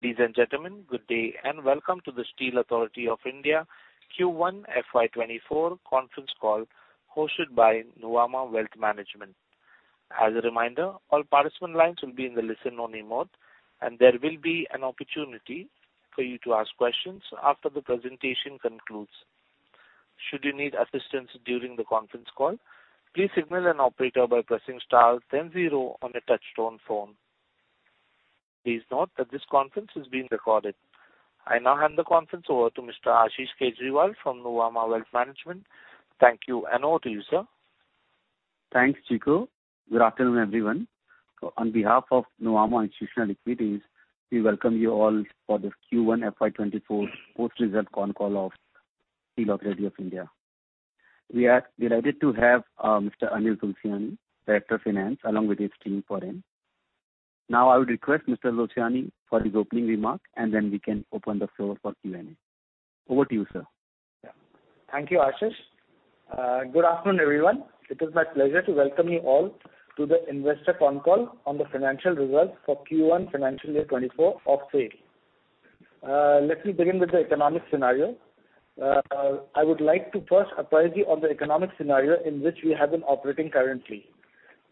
Ladies and gentlemen, good day, welcome to the Steel Authority of India Q1 FY24 conference call, hosted by Nuvama Wealth Management. As a reminder, all participant lines will be in the listen only mode, there will be an opportunity for you to ask questions after the presentation concludes. Should you need assistance during the conference call, please signal an operator by pressing star then 0 on a touchtone phone. Please note that this conference is being recorded. I now hand the conference over to Mr. Ashish Kejriwal from Nuvama Wealth Management. Thank you, over to you, sir. Thanks, Chiku. Good afternoon, everyone. On behalf of Nuvama Institutional Equities, we welcome you all for this Q1 FY24 post result con call of Steel Authority of India. We are delighted to have Mr. Anil Kumar, Director of Finance, along with his team for him. I would request Mr. Kumar for his opening remark, and then we can open the floor for Q&A. Over to you, sir. Thank you, Ashish Kejriwal. Good afternoon, everyone. It is my pleasure to welcome you all to the investor con call on the financial results for Q1 FY24 of SAIL. Let me begin with the economic scenario. I would like to first apprise you on the economic scenario in which we have been operating currently.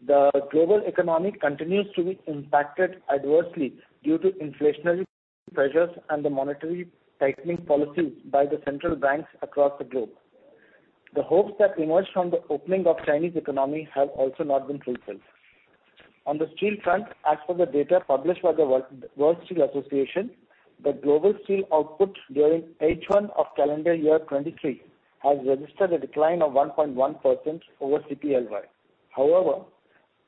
The global economic continues to be impacted adversely due to inflationary pressures and the monetary tightening policies by the central banks across the globe. The hopes that emerged from the opening of Chinese economy have also not been fulfilled. On the steel front, as per the data published by the World Steel Association, the global steel output during H1 of calendar year 23 has registered a decline of 1.1% over CPLY. However,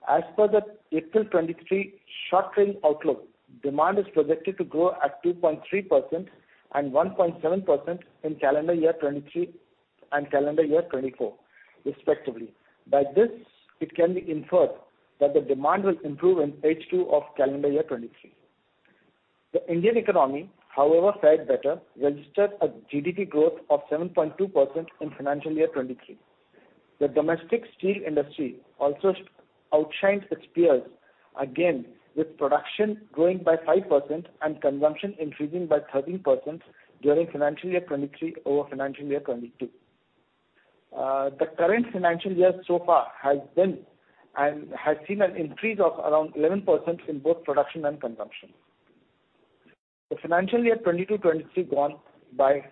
as per the April 2023 Short Range Outlook, demand is projected to grow at 2.3% and 1.7% in calendar year 2023 and calendar year 2024, respectively. By this, it can be inferred that the demand will improve in H2 of calendar year 2023. The Indian economy, however, fared better, registered a GDP growth of 7.2% in financial year 2023. The domestic steel industry also outshined its peers, again, with production growing by 5% and consumption increasing by 13% during financial year 2023 over financial year 2022. The current financial year so far has been and has seen an increase of around 11% in both production and consumption. The financial year 2022-2023 gone by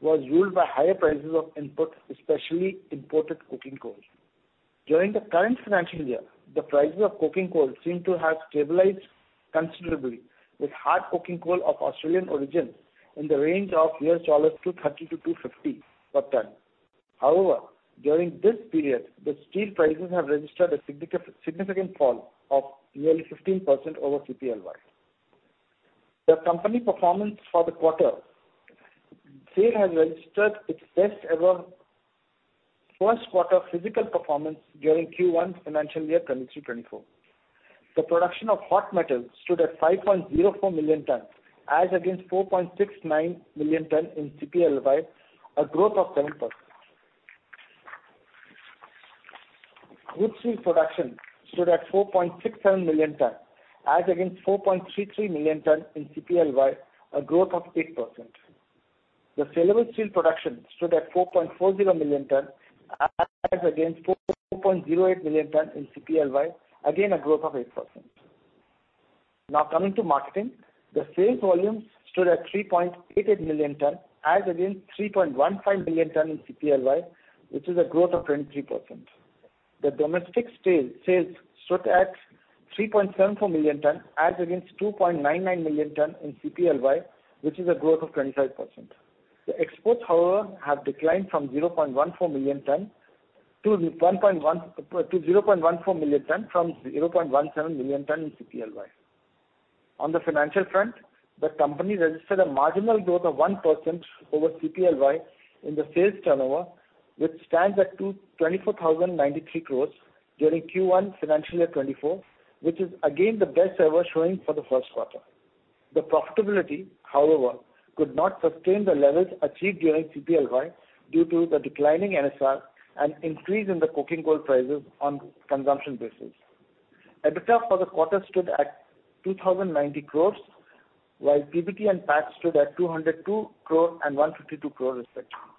was ruled by higher prices of input, especially imported coking coal. During the current financial year, the prices of coking coal seem to have stabilized considerably, with hard coking coal of Australian origin in the range of $230-$250 per ton. However, during this period, the steel prices have registered a significant fall of nearly 15% over CPLY. The company performance for the quarter, SAIL has registered its best ever first quarter physical performance during Q1 FY24. The production of hot metal stood at 5.04 million tons, as against 4.69 million tons in CPLY, a growth of 10%. Rough steel production stood at 4.67 million tons, as against 4.33 million tons in CPLY, a growth of 8%. The saleable steel production stood at 4.40 million tons, as against 4.08 million tons in CPLY, again, a growth of 8%. Now, coming to marketing, the sales volume stood at 3.88 million tons, as against 3.15 million tons in CPLY, which is a growth of 23%. The domestic steel sales stood at 3.74 million tons, as against 2.99 million tons in CPLY, which is a growth of 25%. The exports, however, have declined from 0.14 million tons to 0.14 million tons from 0.17 million tons in CPLY. On the financial front, the company registered a marginal growth of 1% over CPLY in the sales turnover, which stands at 24,093 crore during Q1 FY24, which is again the best ever showing for the 1st quarter. The profitability, however, could not sustain the levels achieved during CPLY due to the declining NSR and increase in the coking coal prices on consumption basis. EBITDA for the quarter stood at 2,090 crore, while PBT and PAT stood at 202 crore and 152 crore, respectively.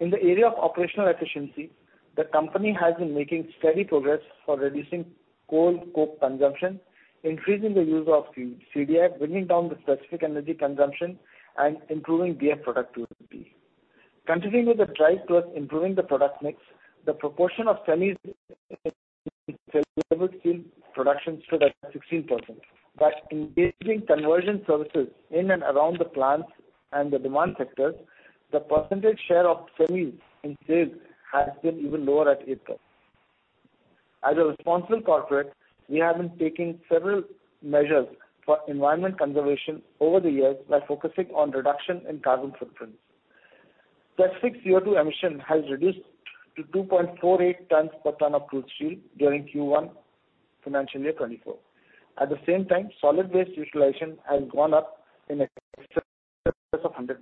In the area of operational efficiency, the company has been making steady progress for reducing coal coke consumption, increasing the use of CDI, bringing down the specific energy consumption and improving BF productivity. Continuing the drive towards improving the product mix, the proportion of semis production stood at 16%. By engaging conversion services in and around the plants and the demand sectors, the percentage share of semis in sales has been even lower at 8%. As a responsible corporate, we have been taking several measures for environment conservation over the years by focusing on reduction in carbon footprint. The specific CO2 emission has reduced to 2.48 tons per ton of crude steel during Q1 FY24. At the same time, solid waste utilization has gone up in of 100%.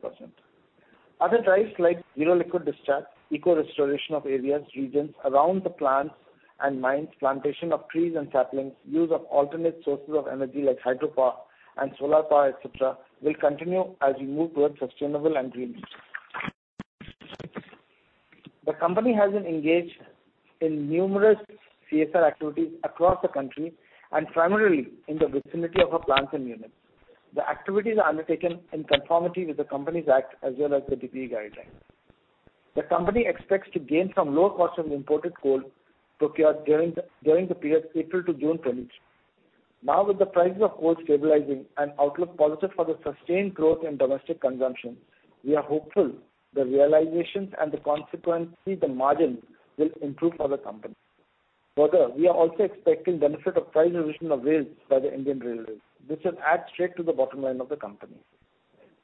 Other drives like Zero Liquid Discharge, eco-restoration of areas, regions around the plants and mines, plantation of trees and saplings, use of alternate sources of energy like hydropower and solar power, etc., will continue as we move towards sustainable and green. The company has been engaged in numerous CSR activities across the country and primarily in the vicinity of our plants and units. The activities are undertaken in conformity with the Companies Act as well as the DPE guidelines. The company expects to gain some low cost of imported coal procured during the period April to June 2020. Now, with the prices of coal stabilizing and outlook positive for the sustained growth in domestic consumption, we are hopeful the realizations and the consequently, the margin will improve for the company. Further, we are also expecting benefit of price revision of rails by the Indian Railways. This will add straight to the bottom line of the company.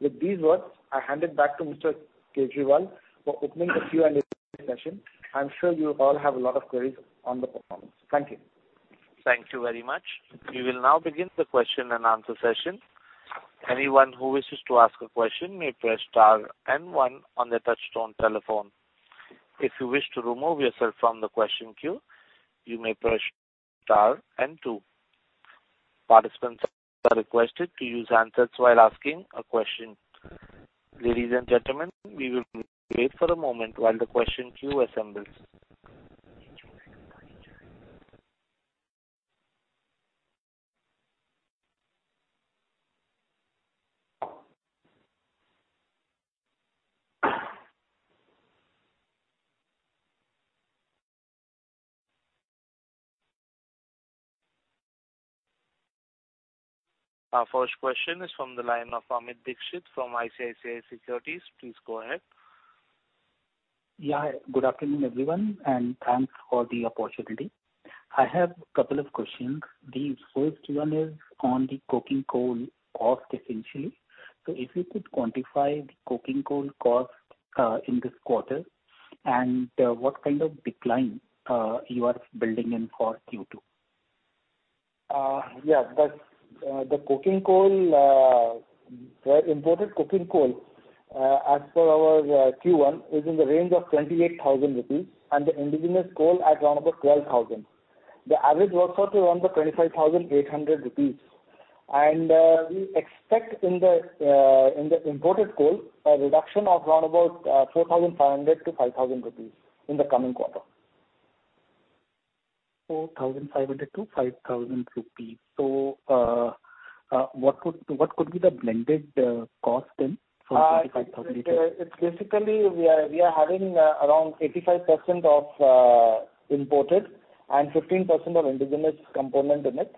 With these words, I hand it back to Mr. Kejriwal for opening the Q&A session. I'm sure you all have a lot of queries on the performance. Thank you. Thank you very much. We will now begin the question and answer session. Anyone who wishes to ask a question may press star and one on their touchtone telephone. If you wish to remove yourself from the question queue, you may press star and two. Participants are requested to use answers while asking a question. Ladies and gentlemen, we will wait for a moment while the question queue assembles. Our first question is from the line of Amit Dixit from ICICI Securities. Please go ahead. Yeah. Good afternoon, everyone, and thanks for the opportunity. I have a couple of questions. The first one is on the coking coal cost essentially. If you could quantify the coking coal cost in this quarter, and what kind of decline you are building in for Q2? coal, the imported coking coal, as per our Q1, is in the range of 28,000 rupees and the indigenous coal at around 12,000. The average works out to around 25,800 rupees. We expect in the imported coal, a reduction of around 4,500-5,000 rupees in the coming quarter. 4,500-5,000 rupees. What could, what could be the blended cost then for INR 25,000? It's basically, we are, we are having around 85% of imported and 15% of indigenous component in it.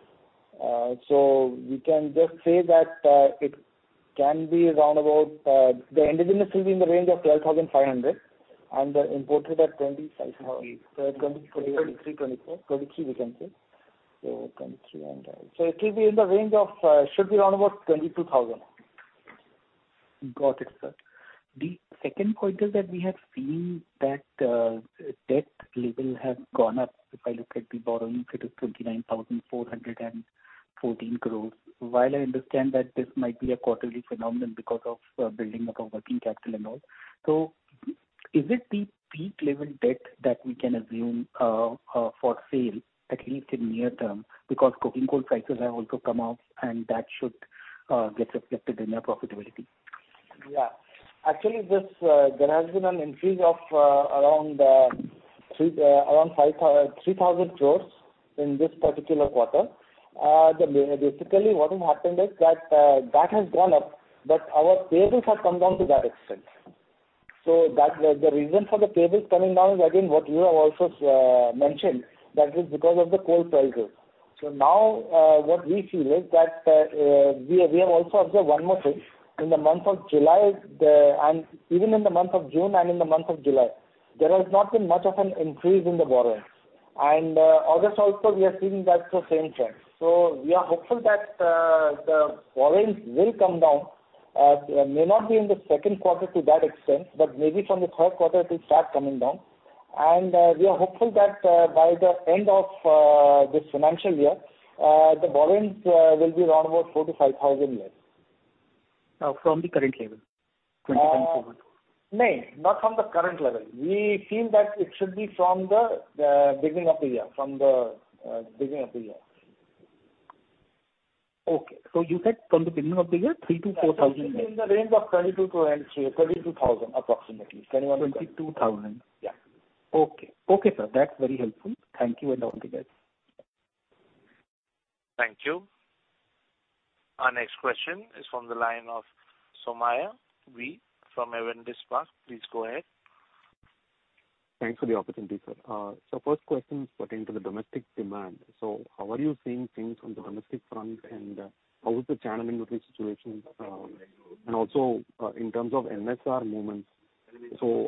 We can just say that it can be around about the indigenous will be in the range of 12,500, and the imported at 2,500. 2023, 2024. 2023, we can say. 2023 and... It will be in the range of, should be around about 22,000. Got it, sir. The second point is that we have seen that debt level has gone up. If I look at the borrowings, it is 29,414 crore. While I understand that this might be a quarterly phenomenon because of building up of working capital and all, is it the peak level debt that we can assume for SAIL, at least in near term? Coking coal prices have also come up, and that should get reflected in their profitability. Yeah. Actually, this, there has been an increase of around 3,000 crore in this particular quarter. The basically, what has happened is that, that has gone up, but our payables have come down to that extent. That, the, the reason for the payables coming down is again, what you have also mentioned, that is because of the coal prices. Now, what we feel is that, we, we have also observed one more thing. In the month of July, the, even in the month of June and in the month of July, there has not been much of an increase in the borrowings. August also, we are seeing that the same trend. We are hopeful that the borrowings will come down. May not be in the second quarter to that extent, but maybe from the third quarter, it will start coming down. We are hopeful that by the end of this financial year, the borrowings will be around about 4,000-5,000 less. From the current level, 20,000 forward? Nay, not from the current level. We feel that it should be from the, the beginning of the year, from the beginning of the year. Okay. You said from the beginning of the year, 3,000 to 4,000? In the range of 22-23, 22,000, approximately. INR 21- 22,000. Yeah. Okay. Okay, sir. That's very helpful. Thank you, and over to you guys. Thank you. Our next question is from the line of Sowmya Valliappan from Avendus Spark. Please go ahead. Thanks for the opportunity, sir. First question is pertaining to the domestic demand. How are you seeing things on the domestic front, and how is the channel inventory situation, and also, in terms of NSR movements?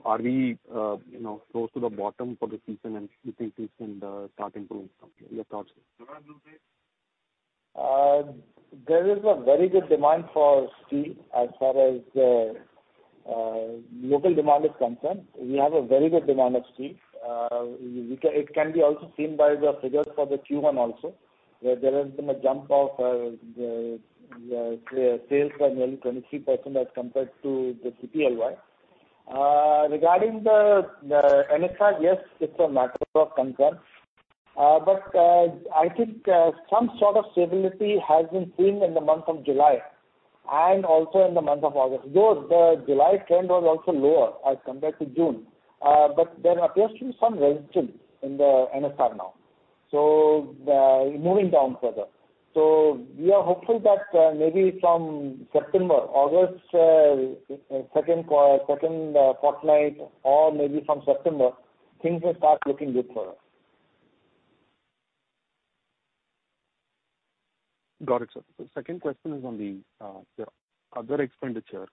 Are we, you know, close to the bottom for the season, and do you think this can start improving from here? Your thoughts, sir? od demand for steel as far as local demand is concerned. We have a very good demand of steel. It can be also seen by the figures for the Q1 also, where there has been a jump of sales by nearly 23% as compared to the CPLY. Regarding the NSR, yes, it's a matter of concern. But I think some sort of stability has been seen in the month of July and also in the month of August. Though the July trend was also lower as compared to June, but there appears to be some resilience in the NSR now. Moving down further. we are hopeful that, maybe from September, August, second second fortnight, or maybe from September, things will start looking good for us. Got it, sir. The second question is on the other expenditure.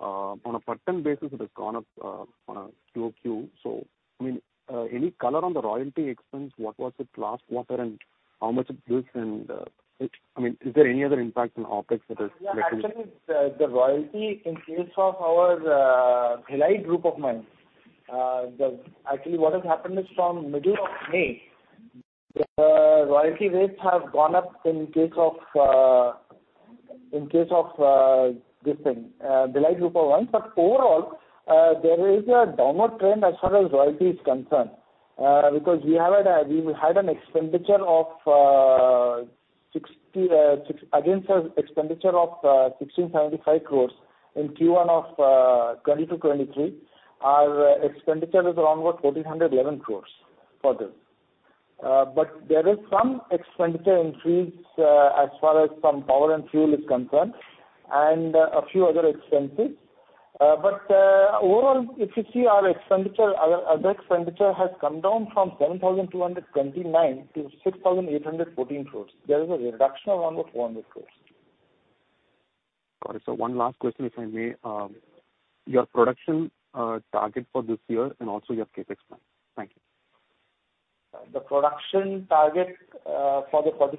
On a pattern basis, it has gone up on a QOQ. I mean, any color on the royalty expense, what was it last quarter, and how much it is? I mean, is there any other impact on OpEx that is- Yeah, actually, the royalty in case of our Bhilai group of mines, actually, what has happened is from middle of May, royalty rates have gone up in case of, in case of, this thing, Bhilai group of mines. Overall, there is a downward trend as far as royalty is concerned, because we have had a, we had an expenditure of 1,675 crore in Q1 of 2022-2023, our expenditure is around what? 1,411 crore for this. There is some expenditure increase as far as some power and fuel is concerned, and a few other expenses. Overall, if you see our expenditure, our, our expenditure has come down from 7,229 to 6,814 crore. There is a reduction of around about 400 crore. Got it. One last question, if I may. Your production target for this year and also your CapEx plan. Thank you. The production target, for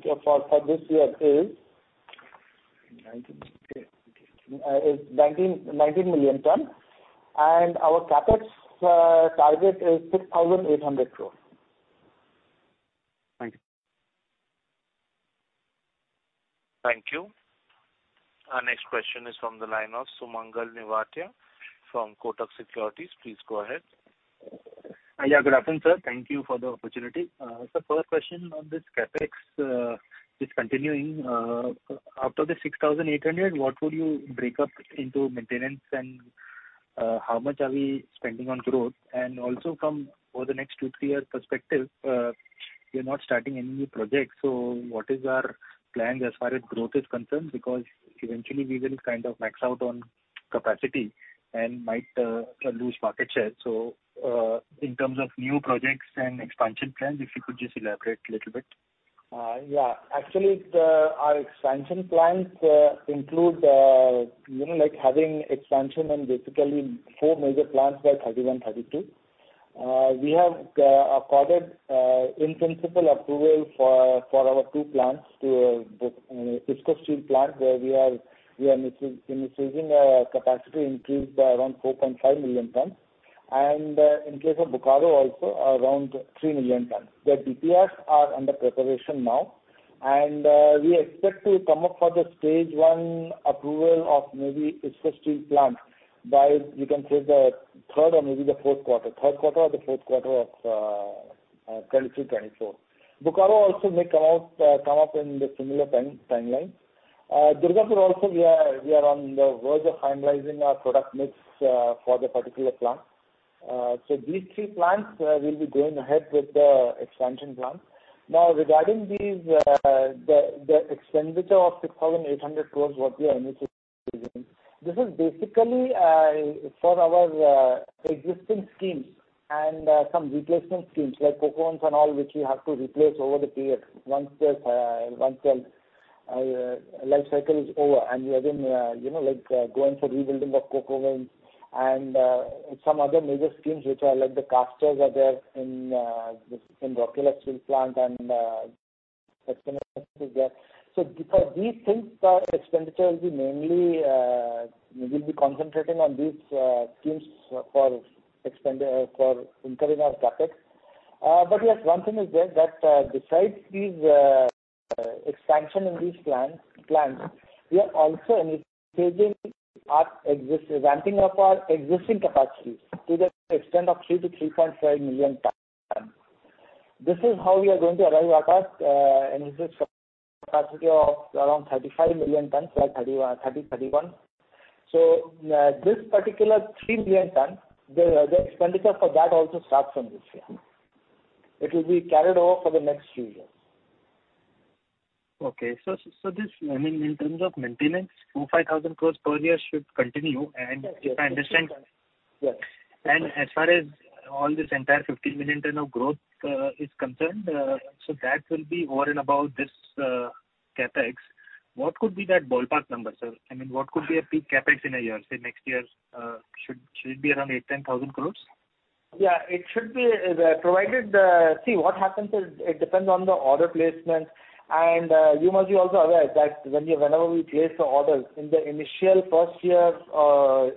this year is 19 million ton, and our CapEx target is 6,800 crore. Thank you. Thank you. Our next question is from the line of Sumangal Nevatia from Kotak Securities. Please go ahead. Yeah, good afternoon, sir. Thank you for the opportunity. First question on this CapEx is continuing, out of the 6,800, what would you break up into maintenance and how much are we spending on growth? Also from over the next two, three years perspective, we are not starting any new projects, what is our plan as far as growth is concerned? Because eventually we will kind of max out on capacity and might lose market share. In terms of new projects and expansion plans, if you could just elaborate a little bit. Yeah. Actually, the, our expansion plans, include, you know, like having expansion in basically four major plants by 31, 32. We have accorded in-principle approval for, for our two plants to the IISCO Steel Plant, where we are, we are in, in increasing, capacity increase by around 4.5 million tons. And, in case of Bokaro also, around 3 million tons. The DPRs are under preparation now, and we expect to come up for the stage one approval of maybe IISCO Steel Plant by, you can say, the third or maybe the fourth quarter. Third quarter or the fourth quarter of 2023-2024. Bokaro also may come out, come up in the similar time, timeline. Durgapur also we are, we are on the verge of finalizing our product mix, for the particular plant. These three plants will be going ahead with the expansion plan. Regarding these, the expenditure of 6,800 crore, what we are initially using, this is basically for our existing schemes and some replacement schemes, like coke ovens and all, which we have to replace over the period. Once this, once the life cycle is over, and we are in, you know, like, going for rebuilding of coke ovens and some other major schemes which are like the casters are there in Rourkela Steel Plant and expansion is there. For these things, our expenditure will be mainly, we'll be concentrating on these schemes for expendi- for incurring our CapEx. Yes, one thing is there, that, besides these, expansion in these plans, plants, we are also increasing our existing... ramping up our existing capacities to the extent of 3 to 3.5 million tons. This is how we are going to arrive at a, an existing capacity of around 35 million tons by 31, 30, 31. This particular 3 million tons, the, the expenditure for that also starts from this year. It will be carried over for the next few years. Okay. This, I mean, in terms of maintenance, 2,500 crore per year should continue. If I understand- Yes. As far as all this entire 15 million tons of growth is concerned, that will be over and about this CapEx. What could be that ballpark number, sir? I mean, what could be a peak CapEx in a year, say, next year? Should, should it be around 8,000-10,000 crore? Yeah, it should be provided, see, what happens is it depends on the order placement. You must be also aware that whenever we place the order in the initial first year,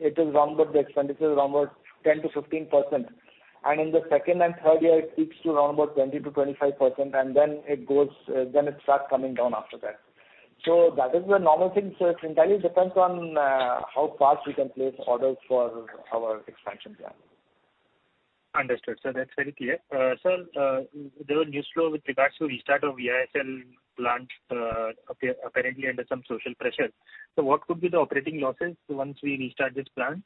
it is around the expenditures, around about 10%-15%, and in the second and third year, it peaks to around about 20%-25%, and then it goes, then it starts coming down after that. That is the normal thing. It entirely depends on how fast we can place orders for our expansion plan. Understood. Sir, that's very clear. Sir, there was news flow with regards to restart of VISL plant, apparently under some social pressure. What could be the operating losses once we restart this plant?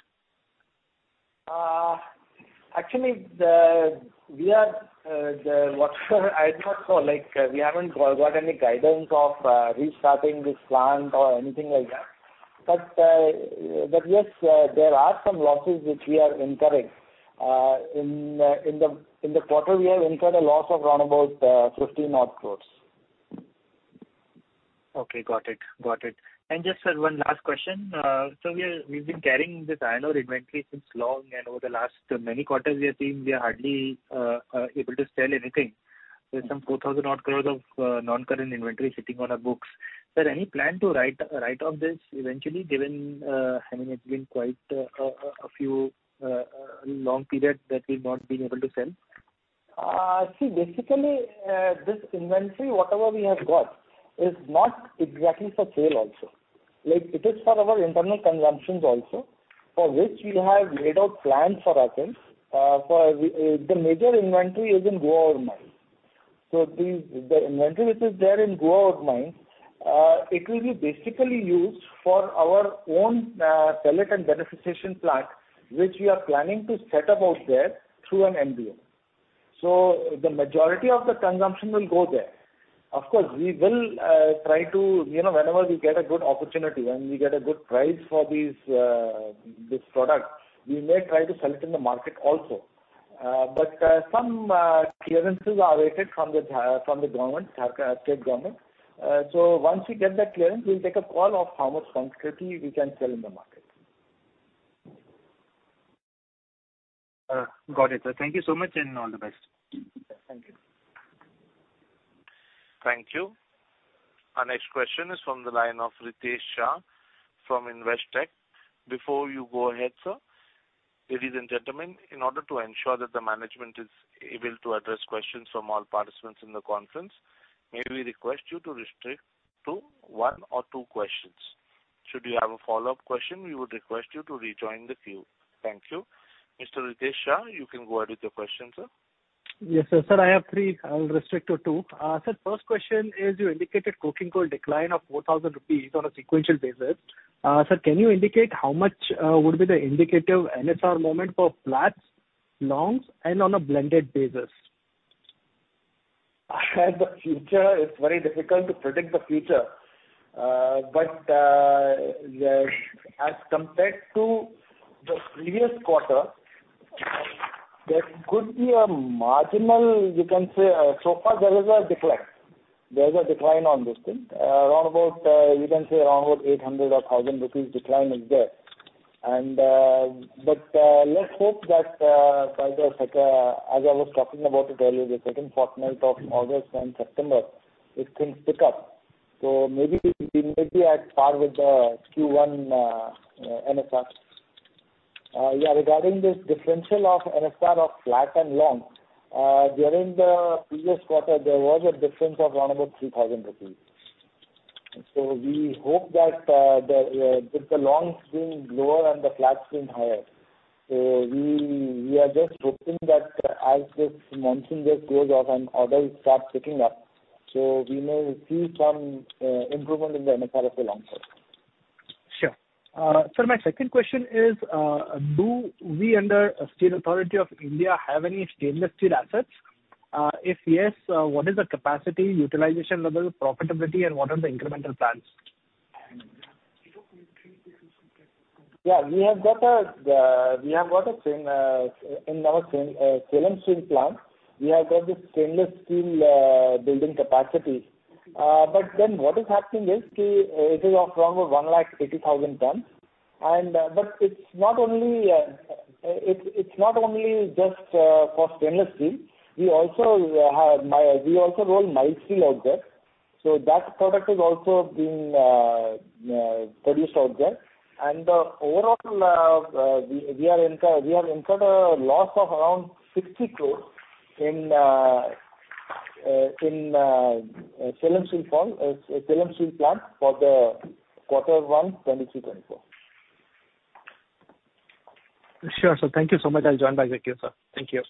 Actually, the, we are, the what I thought for, like, we haven't got, got any guidance of restarting this plant or anything like that. But yes, there are some losses which we are incurring. In the, in the, in the quarter, we have incurred a loss of around about 50 crores. Okay, got it. Got it. Just, sir, one last question. So we are, we've been carrying this iron ore inventory since long, and over the last many quarters, we have seen we are hardly able to sell anything. There's some 4,000 odd crore of non-current inventory sitting on our books. Sir, any plan to write off this eventually, given, I mean, it's been quite a few long period that we've not been able to sell? See, basically, this inventory, whatever we have got, is not exactly for sale also. Like, it is for our internal consumptions also, for which we have laid out plans for ourselves. For every, the major inventory is in Goa ore mine. These, the inventory which is there in Goa ore mine, it will be basically used for our own pellet and beneficiation plant, which we are planning to set up out there through an MDO. The majority of the consumption will go there. Of course, we will try to, you know, whenever we get a good opportunity, when we get a good price for these, this product, we may try to sell it in the market also. Some clearances are awaited from the from the government, Jharkhand state government. Once we get that clearance, we'll take a call of how much quantity we can sell in the market. got it, sir. Thank you so much, and all the best. Thank you. Thank you. Our next question is from the line of Ritesh Shah from Investec. Before you go ahead, sir, ladies and gentlemen, in order to ensure that the management is able to address questions from all participants in the conference, may we request you to restrict to one or two questions. Should you have a follow-up question, we would request you to rejoin the queue. Thank you. Mr. Ritesh Shah, you can go ahead with your question, sir. Yes, sir. Sir, I have three. I will restrict to two. Sir, first question is, you indicated coking coal decline of 4,000 rupees on a sequential basis. Sir, can you indicate how much would be the indicative NSR movement for flats, longs, and on a blended basis? The future, it's very difficult to predict the future. As compared to the previous quarter, there could be a marginal, so far there is a decline. There is a decline on this thing. Around about 800 or 1,000 rupees decline is there. Let's hope that, as I, as I, as I was talking about it earlier, the second fortnight of August and September, this things pick up. Maybe we, we may be at par with the Q1 NSR. Regarding this differential of NSR of flat and long, during the previous quarter, there was a difference of around about 3,000 rupees. We hope that, the, with the longs being lower and the flats being higher, so we, we are just hoping that as this monsoon gets closed off and orders start picking up, so we may see some, improvement in the NSR of the long term. Sure. sir, my second question is, do we under Steel Authority of India have any stainless steel assets? if yes, what is the capacity, utilization level, profitability, and what are the incremental plans? Yeah, we have got a, we have got a same, in our same, Salem Steel Plant. We have got this stainless steel building capacity. What is happening is, see, it is around 180,000 tons. It's not only, it's not only just for stainless steel. We also have we also roll mild steel out there. That product is also being produced out there. The overall, we have incurred a loss of around 60 crore in Salem Steel Plant, Salem Steel Plant for the Q1 2022, 2024. Sure, sir. Thank you so much. I'll join back with you, sir. Thank you.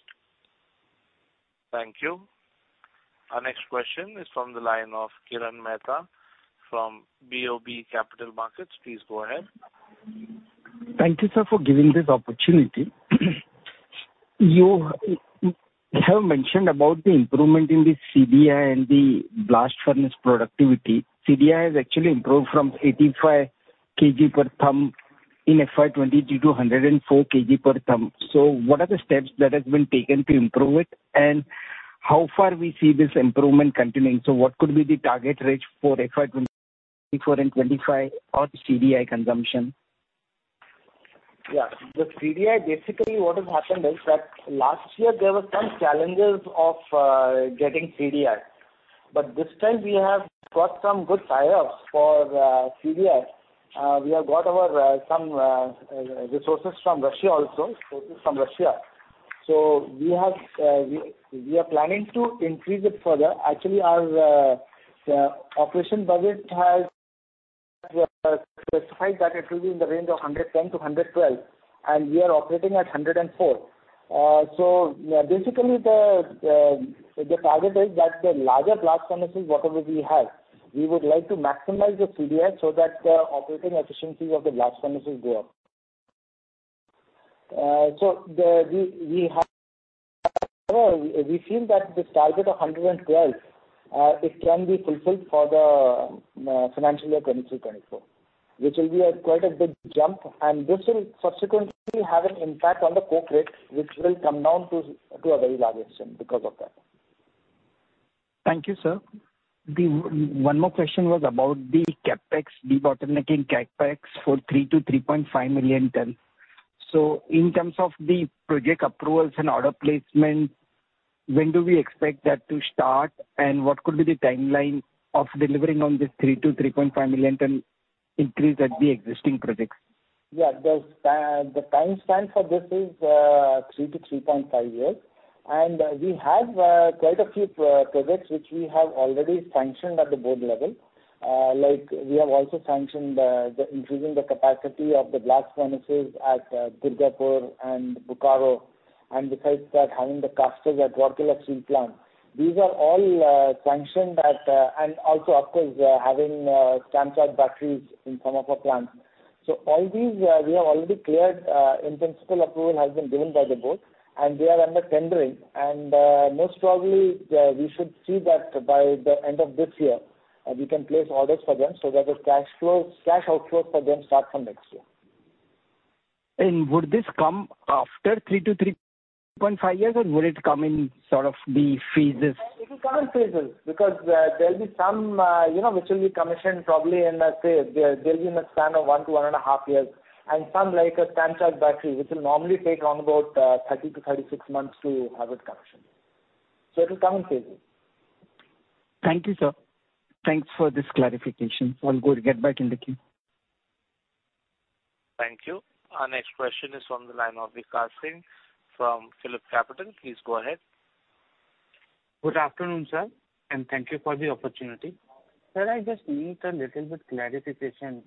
Thank you. Our next question is from the line of Kirtan Mehta from BOB Capital Markets. Please go ahead. Thank you, sir, for giving this opportunity. You have mentioned about the improvement in the CDI and the blast furnace productivity. CDI has actually improved from 85 kg/ton in FY2022 to 104 kg/ton. What are the steps that has been taken to improve it, and how far we see this improvement continuing? What could be the target range for FY2023?... before in 25 or the CDI consumption? Yeah, the CDI, basically what has happened is that last year there were some challenges of getting CDI. This time we have got some good tie-ups for CDI. We have got our some resources from Russia also, resources from Russia. We have we, we are planning to increase it further. Actually, our operation budget has specified that it will be in the range of 110-112, and we are operating at 104. Basically the target is that the larger blast furnaces, whatever we have, we would like to maximize the CDI so that the operating efficiency of the blast furnaces go up. We have, we feel that this target of 112, it can be fulfilled for the financial year 2023-2024, which will be a quite a big jump, and this will subsequently have an impact on the coke rate, which will come down to a very large extent because of that. Thank you, sir. The one more question was about the CapEx, debottlenecking CapEx for 3 to 3.5 million tons. In terms of the project approvals and order placement, when do we expect that to start? What could be the timeline of delivering on this 3 to 3.5 million tons increase at the existing projects? Yeah, the time, the time span for this is 3 -3.5 years. We have quite a few projects which we have already sanctioned at the board level. Like we have also sanctioned the increasing the capacity of the blast furnaces at Durgapur and Bokaro, and besides that, having the casters at Rourkela Steel Plant. These are all sanctioned at and also, of course, having stamp charge batteries in some of our plants. All these we have already cleared, in-principle approval has been given by the board, and they are under tendering. Most probably, we should see that by the end of this year, we can place orders for them so that the cash flow, cash outflows for them start from next year. Would this come after 3 to 3.5 years, or would it come in sort of the phases? It will come in phases, because, there'll be some, you know, which will be commissioned probably in, let's say, there, there'll be in a span of 1-1.5 years, and some, like a stamp charge battery, which will normally take around about, 30-36 months to have it commissioned. It will come in phases. Thank you, sir. Thanks for this clarification. I'll go get back in the queue. Thank you. Our next question is from the line of Vikash Singh from PhillipCapital. Please go ahead. Good afternoon, sir, and thank you for the opportunity. Sir, I just need a little bit clarification.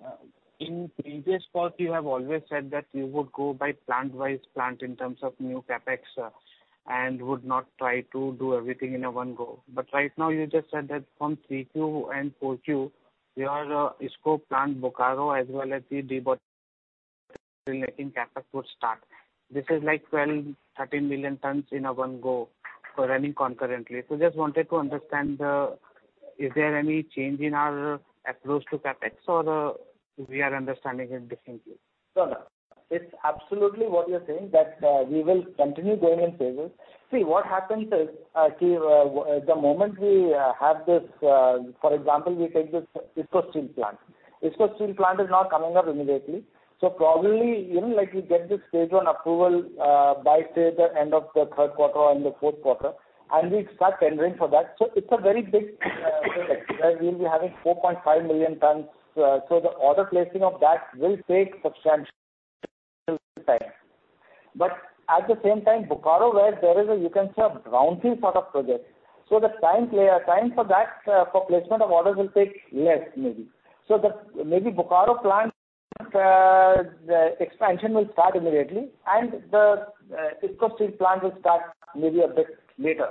In previous calls, you have always said that you would go by plant-wise plant in terms of new CapEx, and would not try to do everything in a one go. Right now, you just said that from 3 Q and 4 Q, your IISCO plant Bokaro, as well as the debottlenecking CapEx would start. This is like 12, 13 million tons in a one go for running concurrently. Just wanted to understand, is there any change in our approach to CapEx or, we are understanding it differently? No, no. It's absolutely what you're saying, that we will continue going in phases. See, what happens is, see, the moment we have this... For example, we take this IISCO Steel Plant. IISCO Steel Plant is not coming up immediately, probably even like we get this phase one approval by, say, the end of the third quarter or in the fourth quarter, and we start tendering for that. It's a very big CapEx, where we'll be having 4.5 million tons. The order placing of that will take substantial time. At the same time, Bokaro, where there is a, you can say, a brownfield sort of project, the time play, time for that, for placement of orders will take less maybe. The maybe Bokaro plant, expansion will start immediately, and the IISCO Steel Plant will start maybe a bit later.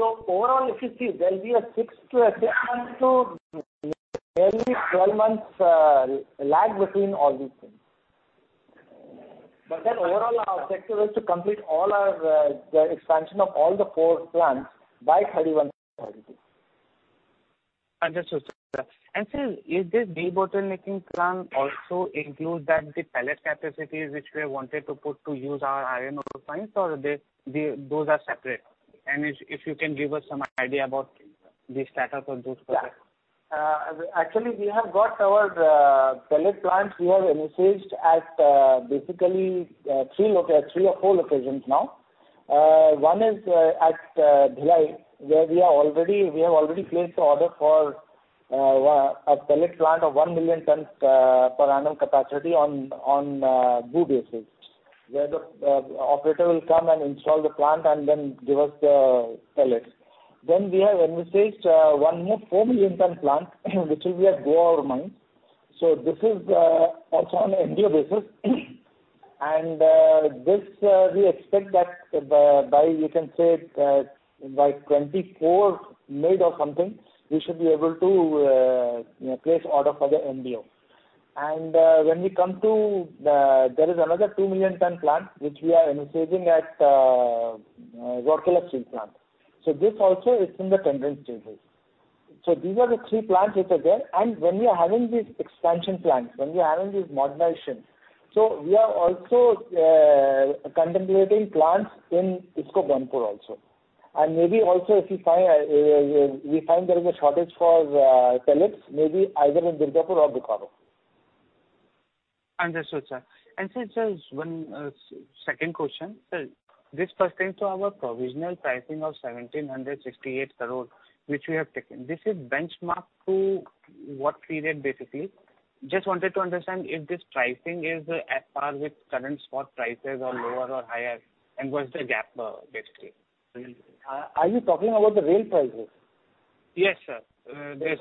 Overall, if you see, there'll be a 6-8 month to barely 12 months, lag between all these things. Overall, our objective is to complete all our, the expansion of all the 4 plants by 31. Understood, sir. Sir, is this debottlenecking plan also includes that the pellet capacities which we wanted to put to use our iron ore points, or those are separate? If, if you can give us some idea about the status of those projects. Yeah. Actually, we have got our pellet plants. We have envisaged at basically three or four locations now. One is at Bhilai, where we have already placed the order for a pellet plant of 1 million tons per annum capacity on on BOO basis, where the operator will come and install the plant and then give us the pellets. Then we have envisaged one more 4 million ton plant, which will be at Goa mine. This is also on an MDO basis. This we expect that by by you can say by 2024 mid or something, we should be able to place order for the MDO. When we come to the there is another 2 million ton plant, which we are envisaging at Rourkela Steel Plant. This also is in the tender stages. These are the three plants which are there. When we are having these expansion plans, when we are having these modernizations, we are also contemplating plants in IISCO Burnpur also. Maybe also if you find, we find there is a shortage for pellets, maybe either in Durgapur or Bokaro. Understood, sir. Since there's one second question, sir, this pertains to our provisional pricing of 1,768 crore, which we have taken. This is benchmarked to what period, basically? Just wanted to understand if this pricing is as per with current spot prices or lower or higher, and what's the gap, basically? Are you talking about the rail prices? Yes, sir. This,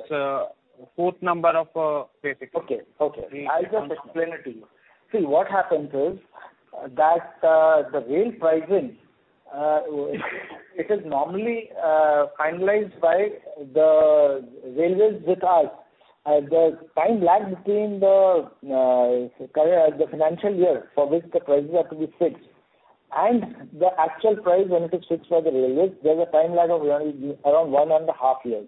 fourth number of, basically. Okay, okay. I'll just explain it to you. See, what happens is, that, the rail pricing, it is normally, finalized by the railways with us. The time lag between the, current, the financial year for which the prices are to be fixed and the actual price when it is fixed by the railways, there's a time lag of around one and a half years.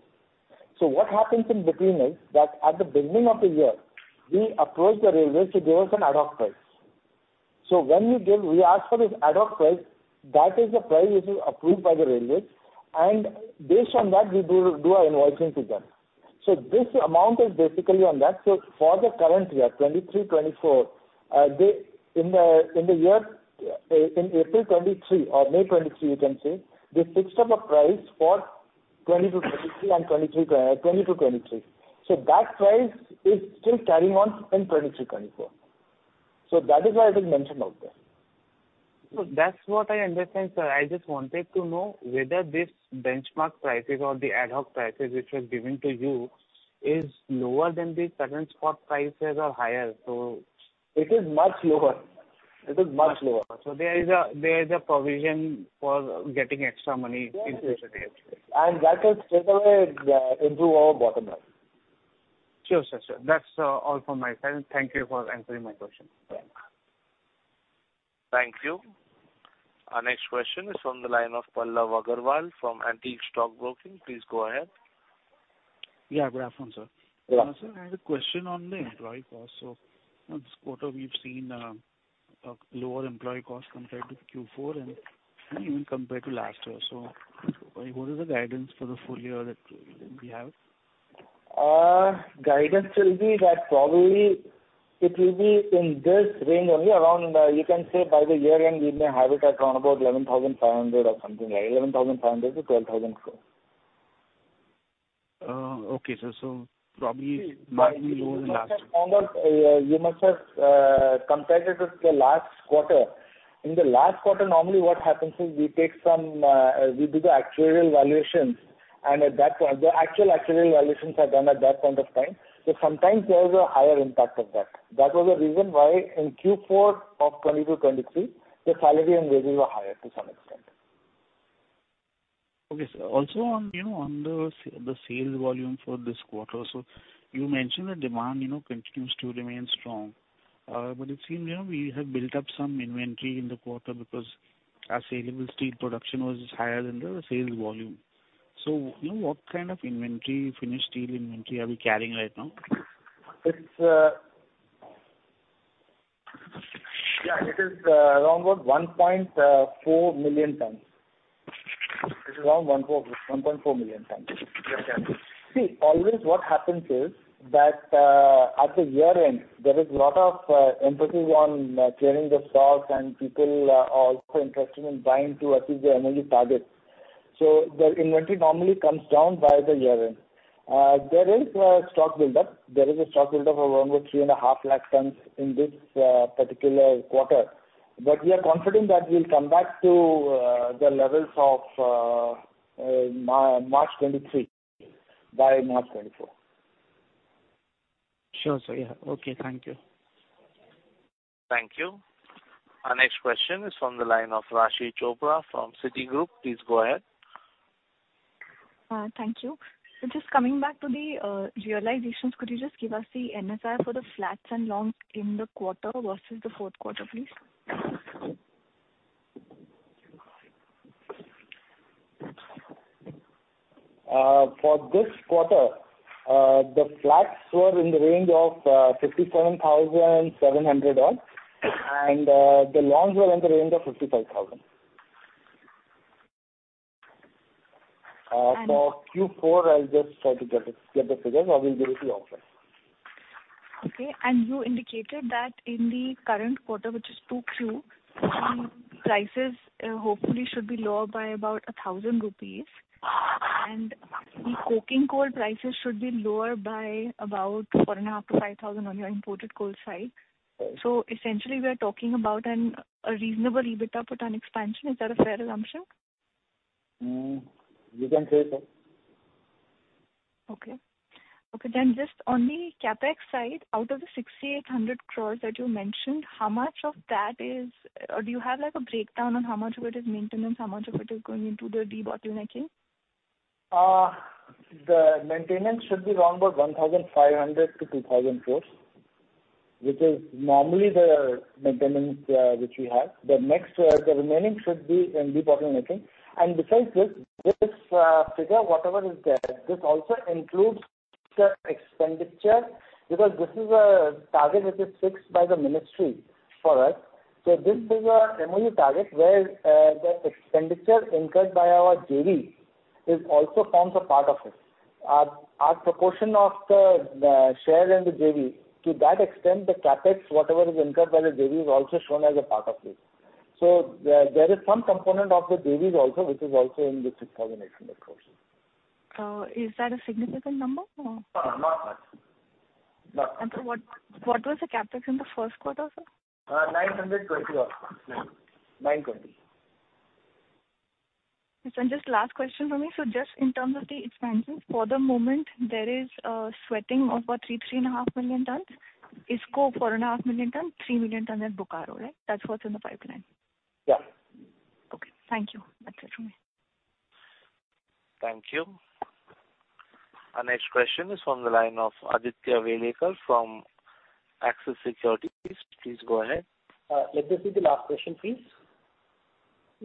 What happens in between is, that at the beginning of the year, we approach the railways to give us an ad hoc price. When we ask for this ad hoc price, that is the price which is approved by the railways, and based on that, we do our invoicing to them. This amount is basically on that. For the current year, 2023-2024, they, in the, in the year, in April 2023 or May 2023, you can say, they fixed up a price for 20-23 and 2023, 20-23. That price is still carrying on in 2023-2024. That is why it is mentioned out there. That's what I understand, sir. I just wanted to know whether this benchmark prices or the ad hoc prices which was given to you is lower than the current spot prices or higher? It is much lower. It is much lower. There is a provision for getting extra money into today. That will straightaway improve our bottom line. Sure, sir. Sure. That's all from my side. Thank you for answering my question. Bye. Thank you. Our next question is from the line of Pallav Agarwal from Antique Stock Broking. Please go ahead. Yeah, good afternoon, sir. Yeah. Sir, I had a question on the employee cost. This quarter, we've seen a lower employee cost compared to Q4 and even compared to last year. What is the guidance for the full year that we have? Guidance will be that probably it will be in this range only around, you can say by the year end, we may have it around about 11,500 or something like 11,500-12,004. Okay, sir. Probably might be lower than last. You must have compared it with the last quarter. In the last quarter, normally what happens is we take some, we do the actuarial valuations, and at that point, the actual actuarial valuations are done at that point of time. Sometimes there is a higher impact of that. That was the reason why in Q4 of 2022-2023, the salary and wages were higher to some extent. Okay, sir. Also on, you know, on the the sales volume for this quarter. You mentioned that demand, you know, continues to remain strong. It seems, you know, we have built up some inventory in the quarter because our saleable steel production was higher than the sales volume. You know, what kind of inventory, finished steel inventory, are we carrying right now? It's. Yeah, it is around about 1.4 million tons. It's around 1.4 million tons. Always what happens is that, at the year end, there is a lot of emphasis on clearing the stocks, and people are also interested in buying to achieve their annual targets. The inventory normally comes down by the year end. There is a stock build-up. There is a stock build-up of around 3.5 lakh tons in this particular quarter. We are confident that we'll come back to the levels of March 2023, by March 2024. Sure, sir. Yeah. Okay. Thank you. Thank you. Our next question is from the line of Raashi Chopra from Citigroup. Please go ahead. Thank you. Just coming back to the realizations, could you just give us the NSR for the flats and longs in the quarter versus the fourth quarter, please? For this quarter, the flats were in the range of 57,700 odd, and the longs were in the range of 55,000. For Q4, I'll just try to get the figures, I will give it to you after. Okay. You indicated that in the current quarter, which is 2Q, the prices, hopefully should be lower by about 1,000 rupees. The coking coal prices should be lower by about 4,500-5,000 on your imported coal side. Essentially, we are talking about an, a reasonable EBITDA put on expansion. Is that a fair assumption? You can say so. Okay. Okay, just on the CapEx side, out of the 6,800 crore that you mentioned, how much of that is, or do you have, like, a breakdown on how much of it is maintenance, how much of it is going into the debottlenecking? The maintenance should be around about 1,500 crore-2,000 crore, which is normally the maintenance which we have. The next, the remaining should be in debottlenecking. Besides this, this figure, whatever is there, this also includes the expenditure, because this is a target which is fixed by the ministry for us. This is our MOU target, where the expenditure incurred by our JV is also forms a part of it. Our, our proportion of the, the share in the JV, to that extent, the CapEx, whatever is incurred by the JV, is also shown as a part of this. There, there is some component of the JVs also, which is also in the 6,800 crore. Is that a significant number or? Not much. Not much. What, what was the CapEx in the first quarter, sir? 920 odd. 920. Yes, just last question for me. Just in terms of the expansion, for the moment, there is sweating over 3, 3.5 million tons. IISCO, 4.5 million tons, 3 million tons at Bokaro, right? That's what's in the pipeline. Yeah. Okay, thank you. That's it from me. Thank you. Our next question is from the line of Aditya Welekar from Axis Securities. Please go ahead. Let this be the last question, please.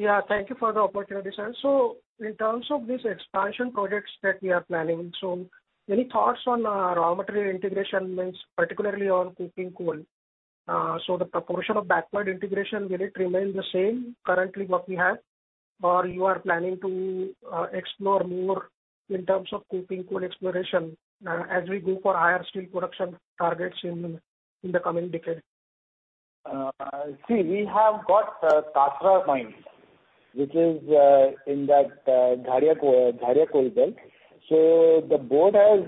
Yeah, thank you for the opportunity, sir. In terms of these expansion projects that we are planning, any thoughts on raw material integration means particularly on coking coal? The proportion of backward integration, will it remain the same currently what we have, or you are planning to explore more in terms of coking coal exploration, as we go for higher steel production targets in, in the coming decade? See, we have got Katra mine, which is in that Jharia, Jharia belt. The board has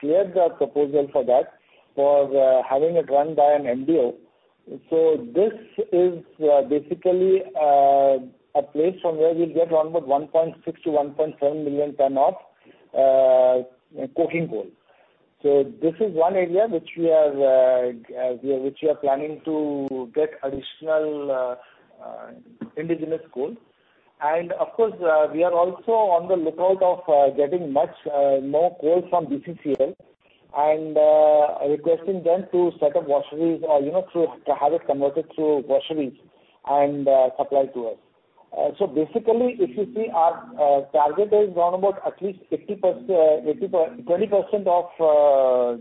cleared the proposal for that, for having it run by an MDO. This is basically a place from where we'll get around about 1.6 to 1.7 million tons of coking coal. This is one area which we are, which we are planning to get additional indigenous coal. Of course, we are also on the lookout of getting much more coal from BCCL, and requesting them to set up washeries or, you know, to have it converted through washeries and supplied to us. Basically, if you see, our target is around about at least 50%, 20% of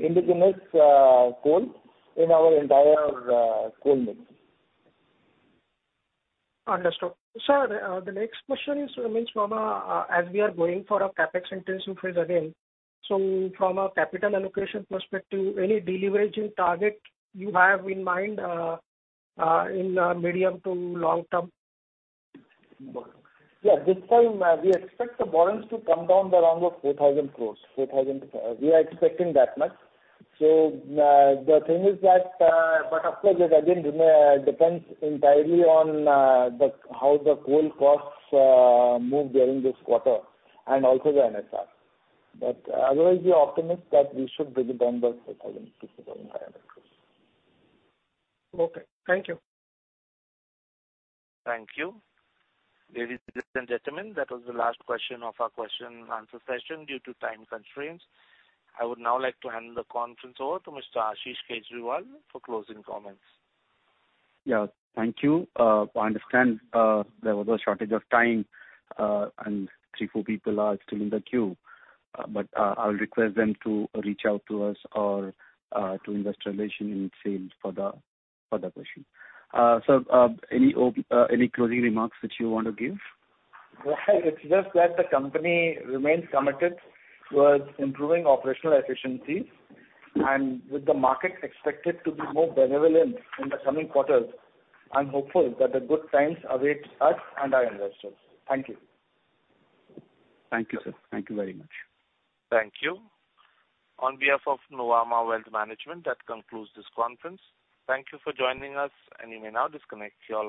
indigenous coal in our entire coal mix. Understood. Sir, the next question is, from a, as we are going for a CapEx intensive phase again, so from a capital allocation perspective, any de-leverage in target you have in mind, in the medium to long term? This time, we expect the balance to come down around about 4,000 crore. 4,000. We are expecting that much. The thing is that, of course, it again depends entirely on how the coal costs move during this quarter and also the NSR. Otherwise, we are optimist that we should bring it down by 4,000-500. Okay, thank you. Thank you. Ladies and gentlemen, that was the last question of our question and answer session due to time constraints. I would now like to hand the conference over to Mr. Ashish Kejriwal for closing comments. Yeah. Thank you. I understand, there was a shortage of time, and three, four people are still in the queue. I'll request them to reach out to us or, to investor relations in SAIL for the, for the question. Any op- any closing remarks that you want to give? It's just that the company remains committed towards improving operational efficiencies. With the markets expected to be more benevolent in the coming quarters, I'm hopeful that the good times await us and our investors. Thank you. Thank you, sir. Thank you very much. Thank you. On behalf of Nuvama Wealth Management, that concludes this conference. Thank you for joining us, and you may now disconnect your lines.